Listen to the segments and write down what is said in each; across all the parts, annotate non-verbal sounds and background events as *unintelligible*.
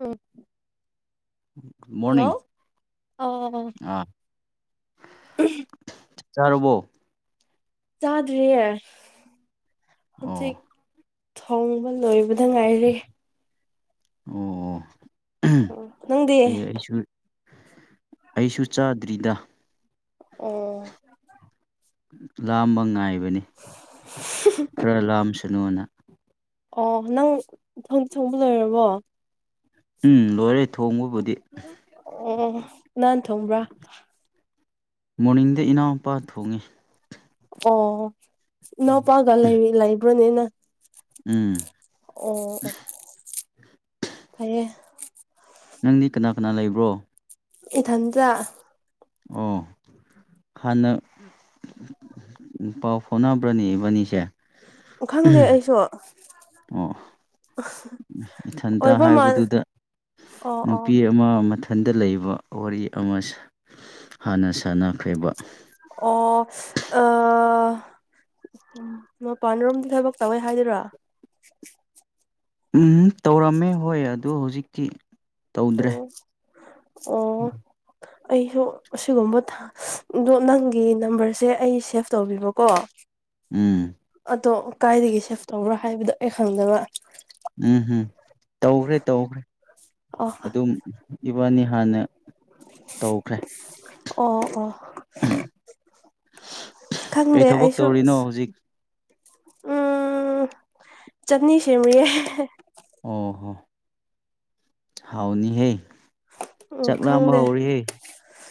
ꯎꯝ hello morning ꯑꯥꯎ ꯑꯥ ꯎꯝꯍ ꯆꯔꯨꯕꯣ ꯆꯥꯗ꯭ꯔꯤꯌꯦ ꯍꯧꯖꯤꯛ ꯑꯣ ꯊꯣꯡꯕ ꯂꯣꯏꯕꯗ ꯉꯥꯏꯔꯦ ꯑꯣ ꯑꯣ ꯎ ꯅꯪꯗꯤ ꯑꯩ ꯑꯩꯁꯨ ꯑꯩꯁꯨ ꯆꯥꯗ꯭ꯔꯤꯗ ꯑꯣ ꯂꯥꯝꯕ ꯉꯥꯏꯕꯅꯤ ꯈꯔ ꯂꯥꯝꯁꯅꯨꯅ ꯑꯣ ꯅꯪ ꯊꯣꯡꯕ ꯂꯣꯏꯔꯕꯣ ꯎꯝ ꯂꯣꯏꯔꯦ ꯊꯣꯡꯕꯕꯨꯗꯤ ꯅꯥꯟ ꯊꯝꯕ꯭ꯔꯥ ꯃꯣꯔꯅꯤꯡꯗ ꯏꯅꯥꯎꯄꯥ ꯊꯣꯡꯉꯤ ꯑꯣ ꯏꯅꯥꯎꯄꯥꯒ ꯂꯩꯕ꯭ꯔꯣꯅꯤꯅ ꯎꯝ ꯑꯣ ꯐꯌꯦ ꯅꯪꯗꯤ ꯀꯅꯥ ꯀꯅꯥ ꯂꯩꯕ꯭ꯔꯣ ꯏ ꯊꯟꯗ ꯑꯣ ꯍꯅ ꯎ ꯄꯥꯎ ꯐꯣꯅꯕ꯭ꯔꯅꯤꯕꯅꯤꯁꯦ ꯈꯪꯗꯦ ꯑꯩꯁꯨ ꯑ ꯏꯊꯟꯇ ꯑꯣꯏꯕ ꯃꯥꯜ ꯍꯥꯏꯕꯗꯨꯗ ꯑꯣ ꯑꯣ ꯅꯨꯄꯤ ꯑꯃ ꯃꯊ ꯏꯊꯟꯗ ꯂꯩꯕ ꯋꯥꯔꯤ ꯑꯃ ꯍꯥꯟꯅ ꯁꯥꯟꯅꯈ꯭ꯔꯦꯕ ꯑꯣ ꯑ ꯎꯝ ꯃꯄꯥꯟꯔꯣꯝꯗ ꯊꯕꯛ ꯇꯧꯋꯦ ꯍꯥꯏꯗꯣꯏꯔꯣ ꯎꯝ ꯇꯧꯔꯝꯃꯦ ꯍꯣꯏ ꯑꯗ ꯍꯧꯖꯤꯛꯇꯤ ꯇꯧꯗ꯭ꯔꯦ ꯑꯣ ꯑꯣ ꯑꯩꯁꯨ ꯑꯁꯤꯒꯨꯝꯕ ꯑꯗꯣ ꯅꯪꯒꯤ ꯅꯝꯕꯔꯁꯦ ꯑꯩ ꯁꯦꯚ ꯇꯧꯕꯤꯕꯀꯣ ꯎꯝ ꯑꯗꯣ ꯀꯥꯏꯗꯒꯤ ꯁꯦꯞ ꯇꯧꯕ꯭ꯔꯣ ꯍꯥꯏꯕꯗꯣ ꯑꯩ ꯈꯪꯗꯕ ꯎꯝ ꯎꯝ ꯇꯧꯈ꯭ꯔꯦ ꯇꯧꯈ꯭ꯔꯦ ꯑꯣ ꯑꯗꯨꯝ ꯏꯕꯥꯅꯤ ꯍꯥꯟꯅ ꯇꯧꯈ꯭ꯔꯦ ꯑꯣ ꯑꯣ ꯀꯩ ꯈꯪꯗꯦ ꯊꯕꯛ ꯑꯩꯁꯨ ꯇꯧꯔꯤꯅꯣ ꯍꯧꯖꯤꯛ ꯎꯝ ꯆꯠꯅꯤ ꯁꯦꯝꯔꯤꯌꯦꯦ ꯑꯣ ꯍꯣ ꯍꯥꯎꯅꯤ ꯍꯦ ꯎꯝ ꯆꯥꯛ ꯂꯥꯝꯕ ꯈꯪꯗꯦ ꯍꯧꯔꯤꯍꯦ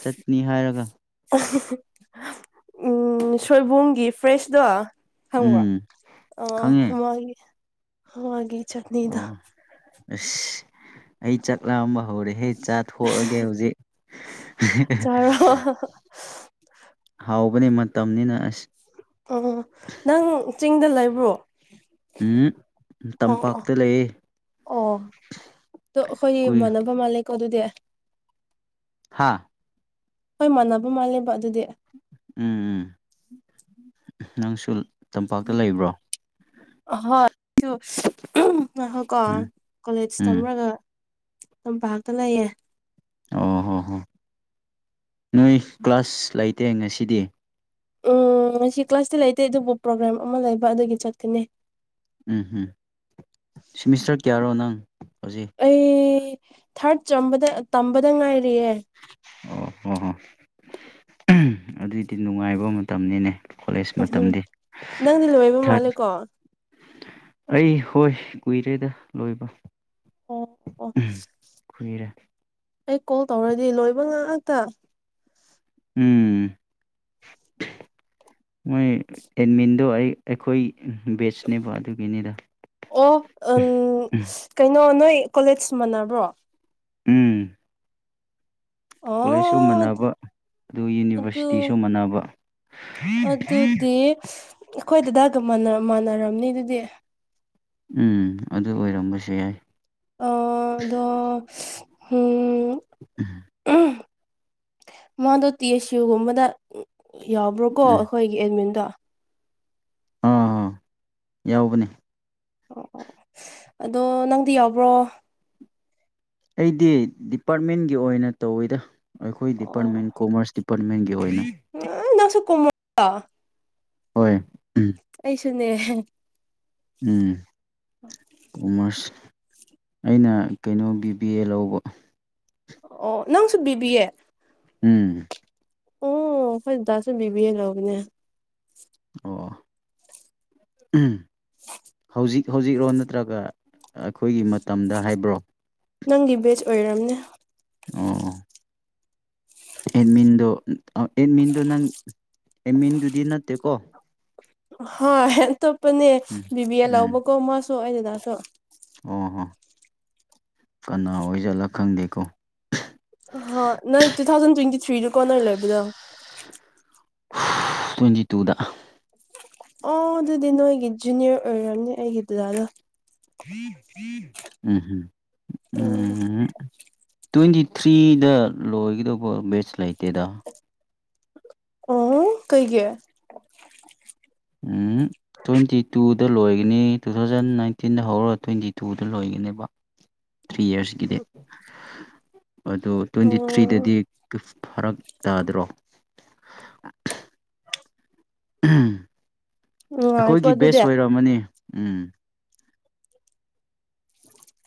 ꯆꯠꯅꯤ ꯍꯥꯏꯔꯒ ꯁꯣꯏꯕꯨꯝꯒꯤ ꯐ꯭ꯔꯦꯁꯇꯣ ꯍꯪ ꯋꯥ ꯎꯝ ꯑ ꯈꯪꯉꯦ ꯆꯠꯅꯤꯗꯣ ꯑꯣ ꯑꯩ ꯆꯠꯂꯝꯑꯝꯕ ꯍꯧꯔꯦꯍꯦ ꯆꯥꯊꯣꯛꯑꯒꯦ ꯍꯧꯖꯤꯛ ꯆꯥꯔꯣ ꯍꯥꯎꯕꯅꯤ ꯃꯇꯝꯅꯤꯅ ꯑꯁ ꯑꯣ ꯅꯪ ꯆꯤꯡꯗ ꯂꯩꯕ꯭ꯔꯣ ꯎꯝ ꯑꯣ ꯇꯝꯄꯥꯛꯇ ꯂꯩ ꯑꯣ ꯑꯣ ꯑꯩꯈꯣꯏꯒꯤ ꯀꯨꯏ ꯃꯥꯟꯅꯕ ꯃꯥꯜꯂꯦꯀꯣ ꯑꯗꯨꯗꯤ ꯍꯥꯥ ꯍꯣꯏ ꯃꯥꯟꯅꯕ ꯃꯥꯜꯂꯦꯕ ꯑꯗꯨꯗꯤ ꯎꯝ ꯎꯝ ꯁ ꯅꯥꯡꯁꯜ ꯍꯣꯏ ꯑꯍꯣꯏ ꯀꯣ ꯎꯝ ꯀꯣꯂꯦꯖ ꯎꯝ ꯇꯝꯔꯒ ꯇꯝꯄꯥꯛꯇ ꯂꯩꯌꯦ ꯑꯣ ꯍꯣ ꯍꯣꯏ ꯅꯣꯏ ꯀ꯭ꯂꯥꯁ ꯂꯩꯇꯦ ꯉꯁꯤꯗꯤ ꯎꯝ ꯉꯁꯤ ꯀ꯭ꯂꯥꯁꯇ ꯂꯩꯇꯦ ꯑꯗꯨꯕꯨ ꯄ꯭ꯔꯣꯒ꯭ꯔꯥꯝ ꯑꯃ ꯂꯩꯕ ꯑꯗꯨꯗꯒꯤ ꯆꯠꯀꯅꯤ ꯎꯝ ꯎꯝ ꯁꯤꯃꯤꯁꯇꯔ ꯀꯌꯥꯔꯣ ꯅꯪ ꯍꯧꯖꯤꯛ ꯑꯩ ꯊꯥꯔꯠ ꯆꯗ ꯇꯝꯕꯗ ꯉꯥꯏꯔꯤꯑꯦ ꯑꯣ ꯍꯣꯏ ꯍꯣ ꯑꯗꯨꯏꯗꯤ ꯅꯨꯡꯉꯥꯏꯕ ꯃꯇꯝꯅꯤꯅꯦ ꯀꯣꯂꯦꯖ ꯎꯝ ꯃꯇꯝꯗꯤ ꯅꯪꯗꯤ ꯂꯣꯏꯕ ꯊꯥꯔꯠ ꯃꯥꯜꯂꯦꯀꯣ ꯑꯣ ꯑꯩ ꯍꯣꯏ ꯀꯨꯏꯔꯦꯗ ꯂꯣꯏꯕ ꯑꯣ ꯈꯨꯏꯔꯦ ꯑꯩ ꯀꯣꯜ ꯇꯧꯔꯗꯤ ꯂꯣꯏꯕ ꯉꯥꯛꯥꯛꯇ ꯎꯝ ꯃꯣꯏ ꯑꯦꯠꯃꯤꯟꯗꯣ ꯑꯩꯈꯣꯏ ꯕꯦꯠꯁꯅꯦꯕ ꯑꯗꯨꯒꯤꯅꯤꯗ ꯑꯣ ꯎꯝ ꯀꯩꯅꯣ ꯅꯣꯏ ꯀꯣꯂꯦꯖ ꯃꯥꯟꯅꯕ꯭ꯔꯣ ꯎꯝ ꯀꯣꯂꯦꯖꯁꯨ ꯑꯣ ꯃꯟꯅꯕ ꯑꯗꯨꯒ ꯑꯗꯨ ꯌꯨꯅꯤꯚꯔꯁꯤꯇꯤꯁꯨ ꯃꯥꯟꯅꯕ ꯑꯗꯨꯗꯤ ꯑꯩꯈꯣꯏ ꯑꯗꯨꯗꯥ ꯃꯥꯟꯅꯔꯝꯅꯤ ꯑꯗꯨꯗꯤ ꯎꯝ ꯑꯗꯨ ꯑꯣꯏꯔꯝꯕꯁꯨ ꯌꯥꯏ ꯑ ꯑꯗꯣ ꯎꯝ ꯎꯝ ꯃꯥꯗꯣ ꯇꯤ ꯑꯦꯁ ꯌꯨꯒꯨꯝꯕꯗ ꯌꯥꯎꯕ꯭ꯔꯣꯀꯣ ꯎꯝ ꯑꯩꯈꯣꯏꯒꯤ ꯑꯦꯗꯃꯤꯟꯗꯣ ꯑꯥ ꯍꯣ ꯌꯥꯎꯕꯅꯦ ꯑꯣ ꯑꯣ ꯑꯗꯣ ꯅꯪꯗꯤ ꯌꯥꯎꯕ꯭ꯔꯣ ꯑꯩꯗꯤ ꯗꯤꯄꯥꯔꯠꯃꯦꯟꯒꯤ ꯑꯣꯏꯅ ꯇꯧꯋꯤꯗ ꯑꯩꯈꯣꯏ ꯑꯣ ꯗꯤꯄꯥꯔꯠꯃꯦꯟ ꯀꯣꯃꯔꯁ ꯗꯤꯄꯥꯔꯠꯃꯦꯟꯒꯤ ꯀ ꯑꯣꯏ ꯑ ꯍꯣꯏ ꯑꯩꯁꯨꯅꯦ ꯎꯝ ꯀꯃꯔꯁ ꯑꯩꯅ ꯀꯩꯅꯣ ꯕꯤ ꯕꯤ ꯑꯦ ꯂꯧꯕ ꯑꯣ ꯅꯪꯁꯨ ꯕꯤꯕꯤꯌꯦ ꯎꯝ ꯑꯣ ꯐ ꯗꯁꯕꯤ ꯂꯧꯕꯅꯦ ꯑꯣ ꯍꯧꯖꯤꯛ ꯍꯧꯖꯤꯛꯔꯣ ꯅꯠꯇ꯭ꯔꯒ ꯑꯩꯈꯣꯏꯒꯤ ꯃꯇꯝꯗ ꯍꯥꯏꯕ꯭ꯔꯣ ꯅꯪꯒꯤ ꯕꯦꯆ ꯑꯣꯏꯔꯝꯅꯦ ꯑꯣ ꯑꯦꯠꯃꯤꯟꯗꯣ ꯑꯦꯠꯃꯤꯟꯗꯣ ꯅꯪ ꯑꯦꯠꯃꯤꯟꯗꯨꯗꯤ ꯅꯠꯇꯦꯀꯣ ꯍꯣꯏ ꯑꯇꯣꯞꯄꯅꯦ ꯎꯝ ꯕꯤꯕꯤ ꯑ ꯎꯝ ꯂꯥꯎꯕꯀꯣ ꯃꯥꯁꯨ ꯑꯩ ꯑꯗꯨꯗꯥꯁꯨ ꯑꯣ ꯍꯣ ꯀꯅꯥ ꯑꯣꯏꯁꯤꯠꯂ ꯈꯪꯗꯦꯀꯣ ꯅꯪ ꯇꯨ ꯊꯥꯎꯖꯟ ꯇ꯭ꯋꯦꯟꯇꯤ ꯊ꯭ꯔꯤꯗ ꯀꯅꯔ ꯂꯩꯕꯗ ꯇ꯭ꯋꯦꯟꯇꯤ ꯇꯨꯗ ꯑꯣ ꯑꯗꯨꯗꯤ ꯅꯣꯏꯒꯤ ꯖꯨꯅꯤꯌꯔ ꯑꯣꯏꯝꯅꯦ ꯑꯩꯒꯤ ꯗꯥꯅ ꯎꯝꯝ *unintelligible* ꯇ꯭ꯋꯦꯟꯇꯤ ꯊ꯭ꯔꯤꯗ ꯂꯣꯏꯒꯗꯧꯕ ꯕꯦꯠꯁ ꯂꯩꯇꯦꯗ ꯑꯣ ꯀꯩꯒꯤ ꯎꯝ ꯇ꯭ꯋꯦꯟꯇꯤ ꯇꯨꯗ ꯂꯣꯏꯒꯅꯤ ꯇꯨ ꯊꯥꯎꯖꯟ ꯅꯥꯏꯟꯇꯤꯟꯗ ꯍꯧꯔꯒ ꯇ꯭ꯋꯦꯟꯇꯤ ꯇꯨꯗ ꯂꯣꯏꯒꯅꯦꯕ ꯊ꯭ꯔꯤ ꯏꯔꯁꯀꯤꯗꯤ ꯑꯗꯨ ꯇ꯭ꯋꯦꯟꯇꯤ ꯎꯝ ꯊ꯭ꯔꯤꯗꯗꯤ ꯐꯔꯛ ꯇꯥꯗ꯭ꯔꯣ *unintelligible* ꯅꯨꯡꯉꯥꯏꯀꯣ ꯑꯩꯈꯣꯏꯒꯤ ꯕꯦꯁ ꯑꯗꯨꯗꯤ ꯑꯣꯏꯔꯝꯃꯅꯤ ꯎꯝ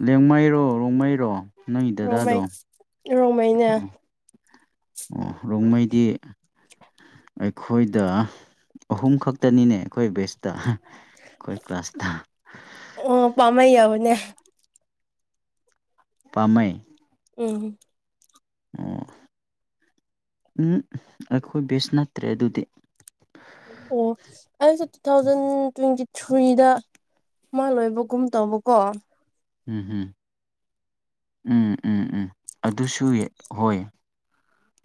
ꯂꯦꯡꯃꯩꯔꯣ ꯔꯣꯡꯃꯩꯔꯣ ꯅꯣꯏꯒꯤ ꯗꯗꯥꯗꯣ ꯔꯣꯡꯃꯩ ꯔꯣꯡꯃꯩꯅꯦ ꯎ ꯑꯣ ꯔꯣꯡꯃꯩꯗꯤ ꯑꯩꯈꯣꯏꯗ ꯑꯍꯨꯝ ꯈꯛꯇꯅꯤꯅꯦ ꯑꯩꯈꯣꯏ ꯕꯦꯁꯇ ꯑꯩꯈꯣꯏ ꯀ꯭ꯂꯥꯁꯇ ꯑꯣ ꯄꯥꯝꯃꯩ ꯌꯥꯕꯅꯦ ꯄꯃ ꯎꯝ ꯑꯣ ꯎꯝ ꯑꯩꯈꯣꯏ ꯕꯦꯁ ꯅꯠꯇ꯭ꯔꯦ ꯑꯗꯨꯗꯤ ꯑꯣ ꯑꯩꯁꯦ ꯇꯨ ꯊꯥꯎꯖꯟ ꯇ꯭ꯋꯦꯟꯇꯤ ꯊ꯭ꯔꯤꯗ ꯃꯣꯏ ꯂꯣꯏꯕ ꯀꯨꯝꯨꯝ ꯇꯧꯕ ꯀꯣ ꯎꯝ ꯎꯝ ꯎꯝ ꯎꯝ ꯎꯝ ꯑꯗꯨꯁꯨ ꯍꯣꯏ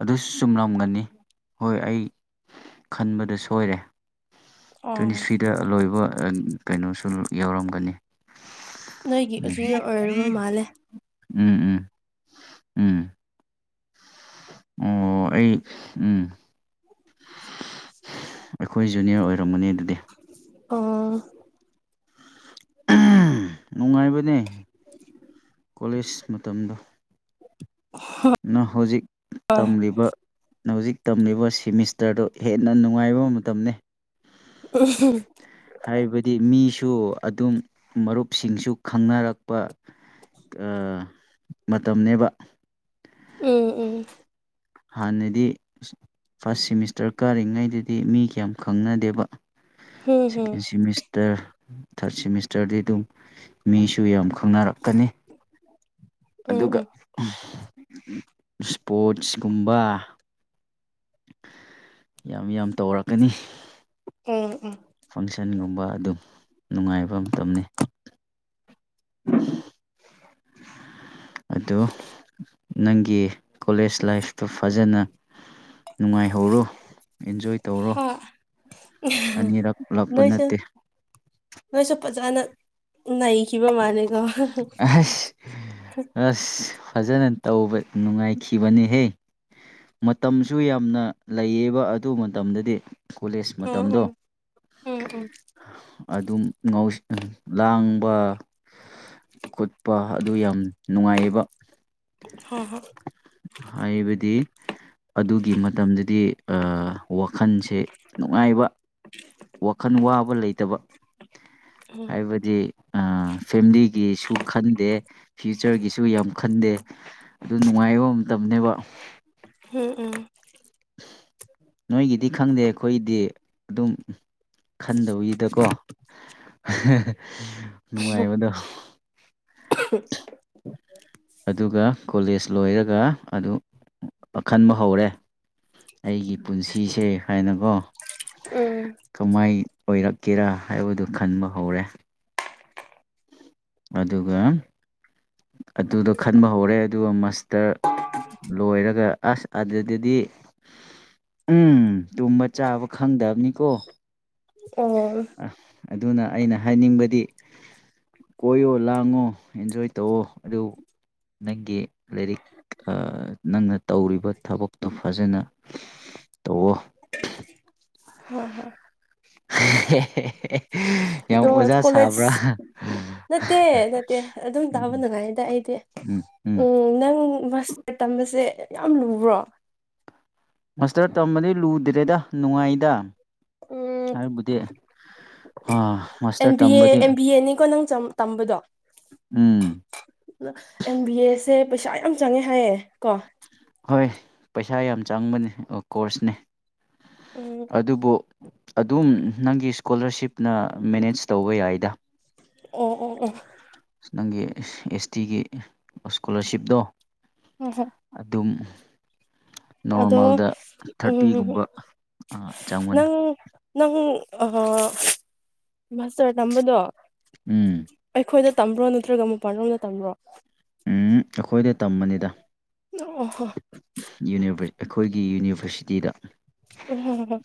ꯑꯗꯨꯁꯨ ꯆꯨꯝꯂꯝꯒꯅꯤ ꯍꯣꯏ ꯑꯩ ꯈꯟꯕꯗ ꯁꯣꯏꯔꯦ ꯇ꯭ꯋꯦꯟꯇꯤ ꯑꯣ ꯊ꯭ꯔꯤꯗ ꯂꯣꯏꯕ ꯀꯩꯅꯣꯁꯨ ꯌꯥꯎꯔꯝꯒꯅꯤ ꯅꯣꯏꯒꯤ ꯎꯝ ꯑꯗꯨꯖꯨꯅ ꯑꯣꯏꯔꯨꯔꯣ ꯃꯥꯜꯂꯦ ꯎꯝ ꯎꯝ ꯎꯝ ꯑꯣ ꯑꯩ ꯎꯝ ꯑꯩꯈꯣꯏ ꯖꯨꯅꯤꯌꯔ ꯑꯣꯏꯔꯝꯒꯅꯤ ꯑꯗꯨꯗꯤ ꯑꯣ ꯅꯨꯡꯉꯥꯏꯕꯅꯦ *unintelligible* ꯀꯣꯂꯦꯖ ꯃꯇꯝꯗ ꯅ ꯍꯧꯖꯤꯛ ꯑ ꯇꯝꯂꯤꯕ ꯍꯧꯖꯤꯛ ꯇꯝꯂꯤꯕ ꯁꯤꯃꯤꯁꯇꯔꯗꯨ ꯍꯦꯟꯅ ꯅꯨꯡꯉꯥꯏꯕ ꯃꯇꯝꯅꯤ ꯍꯥꯏꯕꯗꯤ ꯃꯤꯁꯨ ꯁꯨ ꯑꯗꯨꯝ ꯃꯔꯨꯞꯁꯤꯡꯁꯨ ꯈꯪꯅꯔꯛꯄ ꯃꯇꯝꯅꯦꯕ ꯎꯝ ꯎꯝ ꯍꯥꯟꯅꯗꯤ ꯐꯥꯔꯁ ꯁꯤꯦꯃꯤꯁꯇꯔ ꯀꯥꯔꯤꯉꯩꯗꯗꯤ ꯃꯤ ꯀꯌꯥꯝ ꯈꯪꯅꯗꯦꯕ ꯍꯝ ꯁꯦꯀꯦꯟ ꯍꯝ ꯁꯤꯃꯤꯁꯇꯔ ꯊꯥꯔꯠ ꯁꯦꯃꯤꯁꯇꯔꯗꯤ ꯑꯗꯨꯝ ꯃꯤꯁꯨ ꯌꯥꯝ ꯈꯪꯅꯔꯛꯀꯅꯤ ꯎꯝ ꯑꯗꯨꯒ ꯎꯝ ꯏꯁꯄꯣꯔꯠꯁꯀꯨꯝꯕ ꯌꯥꯝ ꯌꯥꯝ ꯇꯧꯔꯛꯀꯅꯤ ꯎꯝ ꯎꯝ ꯐꯪꯁꯟꯒꯨꯝꯕ ꯑꯗꯨꯝ ꯅꯨꯡꯉꯥꯏꯕ ꯃꯇꯝꯅꯤ *unintelligible* ꯑꯗꯨ ꯅꯪꯒꯤ ꯀꯣꯂꯦꯖ ꯂꯥꯏꯐꯇꯨ ꯐꯖꯅ ꯅꯨꯡꯉꯥꯏꯍꯧꯔꯣ ꯏꯟꯖꯣꯏ ꯍ ꯂꯥꯛꯄ ꯅꯁ ꯅꯠꯇꯦ ꯅꯁ ꯑꯣꯖꯅ ꯅꯩꯈꯤꯕ ꯃꯥꯅꯤ ꯑꯁ ꯑꯁ ꯐꯖꯅ ꯇꯧꯕ ꯅꯨꯡꯉꯥꯏꯈꯤꯕꯅꯤꯍꯦ ꯃꯇꯝꯁꯨ ꯌꯥꯝꯅ ꯂꯩꯌꯦꯕ ꯑꯗꯨ ꯃꯇꯝꯗꯗꯤ ꯀꯣꯂꯦꯖ ꯎꯝ ꯃꯇꯝꯗꯣ ꯎꯝ ꯎꯝ ꯎꯝ ꯑꯗꯨꯝ ꯉ ꯂꯥꯡꯕ ꯀꯣꯠꯄ ꯑꯗꯨ ꯌꯥꯝ ꯅꯨꯡꯉꯥꯏꯌꯦꯕ ꯍꯣꯏ ꯍꯣꯏ ꯍꯥꯏꯕꯗꯤ ꯑꯗꯨꯒꯤ ꯃꯇꯝꯗꯗꯤ ꯋꯥꯈꯜꯁꯦ ꯅꯨꯡꯉꯥꯏꯕ ꯋꯥꯈꯜ ꯋꯥꯕ ꯂꯩꯇꯕ ꯎꯝ ꯍꯥꯏꯕꯗꯤ ꯐꯦꯃꯤꯂꯤꯒꯤꯁꯨ ꯈꯟꯗꯦ ꯐ꯭ꯌꯨꯆꯔꯒꯤꯁꯨ ꯌꯥꯝ ꯈꯟꯗꯦ ꯑꯗꯨ ꯅꯨꯡꯉꯥꯏꯕ ꯃꯇꯝꯅꯦꯕ ꯎꯝ ꯎꯝ ꯅꯣꯏꯒꯤꯗꯤ ꯈꯪꯗꯦ ꯑꯩꯈꯣꯏꯗꯤ ꯑꯗꯨꯝ ꯈꯟꯗꯕꯒꯤꯗꯀꯣ ꯅꯨꯡꯉꯥꯏꯕꯗꯣ ꯑꯗꯨꯒ ꯀꯣꯂꯦꯖ ꯂꯣꯏꯔꯒ ꯑꯗꯨ ꯑꯈꯟꯕ ꯍꯧꯔꯦ ꯑꯩꯒꯤ ꯄꯨꯟꯁꯤꯁꯦ ꯍꯥꯏꯅꯀꯣ ꯎꯝ ꯀꯃꯥꯏ ꯑꯣꯏꯔꯛꯀꯦꯔꯥ ꯍꯥꯏꯕꯗꯨ ꯈꯟꯕ ꯍꯧꯔꯦ ꯑꯗꯨꯒ ꯑꯗꯨꯗ ꯈꯟꯕ ꯍꯧꯔꯦ ꯑꯗꯨꯒ ꯃꯁꯇꯔ ꯂꯣꯏꯔꯒ ꯑꯁ ꯑꯗꯨꯗꯗꯤ ꯎꯝ ꯇꯨꯝꯕ ꯆꯥꯕ ꯈꯪꯗꯕꯅꯤꯀꯣ ꯑꯣ ꯑꯗꯨꯅ ꯑꯩꯅ ꯍꯥꯏꯅꯤꯡꯕꯗꯤ ꯀꯣꯏꯌꯣ ꯂꯥꯡꯉꯣ ꯑꯦꯟꯖꯣꯏ ꯇꯧꯋ ꯑꯗꯨ ꯅꯪꯒꯤ ꯂꯥꯏꯔꯤꯛ ꯅꯪꯅ ꯇꯧꯔꯤꯕ ꯊꯕꯛꯇꯣ ꯐꯖꯅ ꯇ ꯑꯣ ꯍ ꯍ *unintelligible* ꯌꯥꯝ ꯑꯣꯖꯥ ꯀꯣꯂꯦꯖ ꯁꯥꯕ꯭ꯔꯥ ꯅꯠꯇꯦ ꯅꯠꯇꯦ ꯑꯗꯨꯝ ꯇꯥꯕ ꯎꯝ ꯉꯥꯏꯗ ꯑꯩꯗꯤ ꯎꯝ ꯅꯪ ꯃꯁꯇꯔ ꯇꯝꯕꯁꯦ ꯌꯥꯝ ꯂꯨꯕ꯭ꯔꯣ ꯃꯥꯁꯇꯔ ꯇꯝꯕꯗꯤ ꯂꯨꯗ꯭ꯔꯦꯗ ꯅꯨꯡꯉꯥꯏꯗ ꯎꯝ ꯍꯥꯏꯕꯨꯗꯤ ꯑꯦꯝ ꯃꯥꯁꯇꯔ ꯕꯤ ꯑꯦ ꯇꯝꯕꯗꯤ ꯑꯦꯝ ꯕꯤ ꯑꯦꯅꯤꯀꯣ ꯅꯪ ꯇꯝꯕꯗꯣ ꯎꯝ ꯑꯦꯝꯕꯤ ꯑꯦꯁꯦ ꯄꯩꯁꯥ ꯌꯥꯝ ꯆꯪꯉꯦ ꯍꯥꯏꯌꯦ ꯀꯣ ꯍꯣꯏ ꯄꯩꯁꯥ ꯌꯥꯝ ꯆꯪꯕꯅꯤ ꯀꯣꯔꯁꯅꯦ ꯎꯝ ꯑꯗꯨꯕꯨ ꯑꯗꯨꯝ ꯅꯪꯒꯤ ꯏꯁꯀꯣꯂꯔꯁꯤꯞꯅ ꯃꯦꯅꯦꯖ ꯇꯧꯕ ꯌꯥꯏꯗ ꯑꯣ ꯑꯣꯝ ꯑꯣꯝ ꯅꯪꯒꯤ ꯑꯦꯁ ꯇꯤꯒꯤ ꯏꯁꯀꯣꯂꯥꯔꯁꯤꯞꯇꯣ ꯍꯝ ꯍꯝ ꯑꯗꯨꯝ ꯅꯣꯔꯃꯦꯜꯗ ꯎꯝ ꯊꯥꯔꯇꯤꯒꯨꯝꯕ ꯆꯪꯒꯅꯤ ꯅꯪ ꯅꯪ ꯑ ꯃꯥꯁꯇꯔ ꯅꯝꯕꯗꯣ ꯎꯝ ꯇꯝꯕ꯭ꯔꯣ ꯅꯠꯇ꯭ꯔꯒ ꯃꯄꯥꯟꯔꯣꯗ ꯇꯝꯕ꯭ꯔꯣ ꯎꯝ ꯑꯩꯈꯣꯏꯗ ꯇꯝꯕꯅꯤꯗ ꯑꯣ ꯍꯣ ꯌꯨꯅꯤꯚꯔ ꯑꯩꯈꯣꯏꯒꯤ ꯌꯨꯅꯤꯕꯔꯁꯤꯇꯤꯗ ꯎ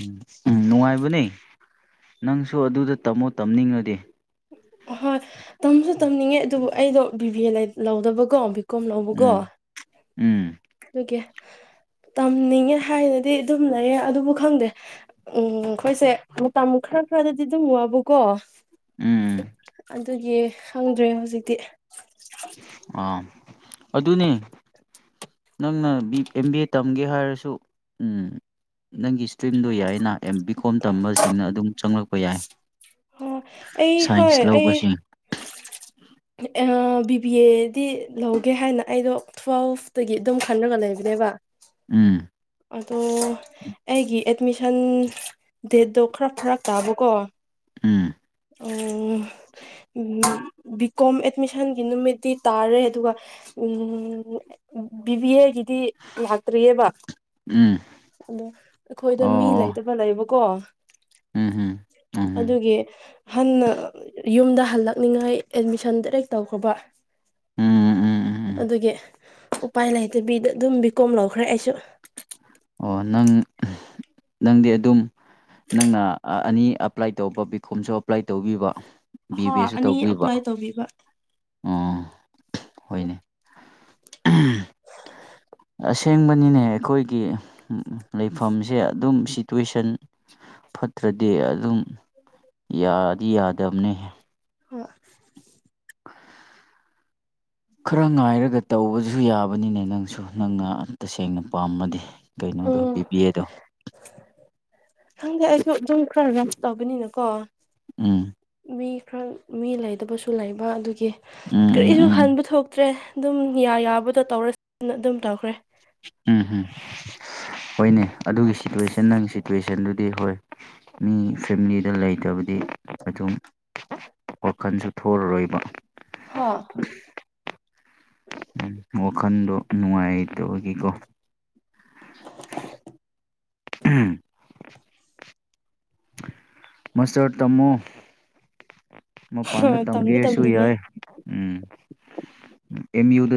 ꯎꯝ ꯎꯝ ꯅꯨꯡꯉꯥꯏꯕꯅꯦ ꯅꯪꯁꯨ ꯑꯗꯨꯗ ꯇꯝꯃꯣ ꯇꯝꯅꯤꯡꯉꯗꯤ ꯍꯣꯏ ꯇꯝꯁꯨ ꯇꯝꯅꯤꯡꯉꯦ ꯑꯗꯨꯕꯨ ꯑꯩꯗꯣ ꯕꯤꯕꯤ ꯂꯧꯗꯕꯀꯣꯕꯤ ꯀꯣꯝꯅꯧꯕꯀꯣ ꯎꯝ ꯎꯝ ꯀ ꯇꯝꯅꯤꯡꯉꯦ ꯍꯥꯏꯅꯗꯤ ꯑꯗꯨꯝ ꯂꯩꯌꯦ ꯑꯗꯨꯕꯨ ꯈꯪꯗꯦ ꯎꯝ ꯑꯩꯈꯣꯏꯁꯦ ꯇꯈ꯭ꯔꯦ ꯈ ꯈꯋꯥꯗꯗꯤꯗꯤ ꯍꯨꯉꯕꯨ ꯀꯣ ꯎꯝ ꯑꯗꯨꯒꯤ ꯈꯪꯗ꯭ꯔꯦ ꯍꯧꯖꯤꯛꯇꯤ ꯑꯥ ꯑꯗꯨꯅꯤ ꯅꯪꯅ ꯑꯦꯝ ꯕꯤ ꯑꯦ ꯇꯝꯒꯦ ꯍꯥꯏꯔꯁꯨ ꯎꯝ ꯅꯪꯒꯤ ꯏꯁꯇ꯭ꯔꯤꯝꯗꯣ ꯌꯥꯏ ꯑꯩꯅ ꯑꯦꯝ ꯕꯤ ꯀꯣꯝ ꯇꯝꯕꯁꯤꯡꯅ ꯑꯗꯨꯝ ꯆꯪꯂꯛꯄ ꯌꯥꯏ ꯑꯣ ꯑꯩ ꯍꯣꯏ ꯁꯥꯏꯟꯁ ꯑꯩ ꯂꯧꯕꯁꯤꯡ ꯕꯤ ꯕꯤ ꯑꯦꯗꯤ ꯂꯧꯒꯦ ꯍꯥꯏꯅ ꯑꯩꯗꯣ ꯇ꯭ꯋꯦꯜꯐꯇꯒꯤ ꯑꯗꯨꯝ ꯈꯟꯅꯔꯒ ꯂꯩꯕ ꯑꯗꯨꯗꯦ ꯋꯥ ꯎꯝ ꯑꯗꯣ ꯑꯩꯒꯤ ꯑꯦꯠꯃꯤꯁꯟ ꯗꯦꯠꯇꯣ ꯈꯔ ꯐꯔꯛ ꯇꯥꯕꯀꯣ ꯎꯝ ꯎ ꯕꯤ ꯀꯣꯝ ꯑꯦꯗꯃꯤꯁꯟꯒꯤ ꯅꯨꯃꯤꯠꯇꯤ ꯇꯥꯔꯦ ꯑꯗꯨꯒ ꯎ ꯕꯤꯕꯤ ꯑꯦꯒꯤ ꯗꯤ ꯂꯥꯛꯇ꯭ꯔꯤꯑꯕ ꯎꯝ ꯑꯗꯣ ꯑꯩꯈꯣꯏꯗ ꯑꯣ ꯃꯤ ꯑꯣ ꯂꯩꯇꯕ ꯂꯩꯕꯀꯣ ꯎꯝ ꯎꯝ ꯑꯗꯨꯒꯤ ꯍꯟꯅ ꯌꯨꯝꯗ ꯍꯜꯂꯛꯅꯤꯉꯥꯏ ꯑꯦꯠꯃꯤꯁꯟ ꯗꯥꯏꯔꯦꯛ ꯇꯧꯈ꯭ꯔꯕ ꯎꯝ ꯎꯝ ꯎꯝ ꯎꯝ ꯎꯝ ꯎꯝ ꯑꯗꯨꯒꯤ ꯎꯄꯥꯏ ꯂꯩꯇꯕꯤꯗ ꯑꯗꯨꯝ ꯕꯤꯀꯣꯝ ꯂꯧꯈ꯭ꯔꯦ ꯑꯩꯁꯨ ꯑꯣ ꯅꯪ ꯅꯪꯗꯤ ꯑꯗꯨꯝ ꯅꯪꯅ ꯑꯅꯤ ꯑꯄ꯭ꯂꯥꯏ ꯇꯧꯕ ꯕꯤ ꯀꯣꯝꯁꯨ ꯑꯦꯄ꯭ꯂꯥꯏ ꯇꯧꯕꯤꯕ ꯕꯤ ꯕꯤ ꯍꯣꯏ ꯑꯦꯁꯨ ꯑꯅꯤ ꯇꯧꯕꯤꯕ ꯑꯦꯄ꯭ꯂꯥꯏ ꯇꯧꯕꯤꯕ ꯎ ꯍꯣꯏꯅꯦ ꯑꯁꯦꯡꯕꯅꯤꯅꯦ ꯑꯩꯈꯣꯏꯒꯤ ꯂꯩꯐꯝꯁꯦ ꯑꯗꯨꯝ ꯁꯤꯇꯨꯋꯦꯁꯟ ꯐꯠꯇ꯭ꯔꯗꯤ ꯑꯗꯨꯝ ꯌꯥꯗꯤ ꯌꯥꯗꯕꯅꯦ ꯍꯣꯏ *unintelligible* ꯈꯔ ꯉꯥꯏꯔꯒ ꯇꯧꯕꯁꯨ ꯌꯥꯕꯅꯤꯅꯦ ꯅꯪꯁꯨ ꯅꯪꯅ ꯇꯁꯦꯡꯅ ꯄꯥꯝꯃꯗꯤ ꯀꯩꯅꯣꯗꯣ ꯎꯝ ꯄꯤ ꯄꯤꯌꯦꯗꯣ ꯍꯪꯗꯦ ꯑꯩꯁꯨ ꯑꯗꯨꯝ ꯈꯔ ꯔꯦꯝꯁ ꯇꯧꯒꯅꯤꯅ ꯀꯣ ꯎꯝ ꯃꯤ ꯈꯔ ꯃꯤ ꯂꯩꯗꯕꯁꯨ ꯂꯩꯕ ꯑꯗꯨꯒꯤ ꯎꯝ ꯎꯝ ꯀꯔꯤꯁꯨ ꯎꯝ ꯍꯟꯕ ꯊꯣꯛꯇ꯭ꯔꯦ ꯑꯗꯨꯝ ꯌꯥ ꯌꯥꯕꯗꯣ ꯇꯧꯔꯅ ꯑꯗꯨꯝ ꯇꯧꯈ꯭ꯔꯦ ꯎꯝ ꯎꯝ ꯍꯣꯏꯅꯦ ꯑꯗꯨꯒꯤ ꯁꯤꯇꯨꯋꯦꯁꯟ ꯅꯪ ꯁꯤꯇꯨꯋꯦꯁꯟꯗꯨꯗꯤ ꯍꯣꯏ ꯃꯤ ꯐꯦꯃꯤꯂꯤꯗ ꯂꯩꯇꯕꯗꯤ ꯑꯗꯨꯝ ꯋꯥꯈꯟꯁꯨ ꯊꯣꯔꯔꯣꯏꯕ ꯍ ꯎ ꯋꯥꯈꯟꯗ ꯅꯨꯡꯉꯥꯏ ꯇꯥꯕꯥ ꯒꯤꯀꯣ ꯃꯥꯁꯇ꯭ꯔ ꯇꯝꯃꯣ ꯃꯄꯥꯟꯗ ꯇꯝꯗꯤ ꯇꯝꯒꯦꯁꯨ ꯇꯝꯅꯤꯡꯉꯦ ꯌꯥꯏ ꯑꯦꯝ ꯌꯨꯗꯥ